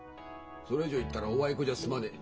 それ以上言ったら「おあいこ」じゃ済まねえ。